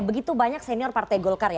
begitu banyak senior partai golkar ya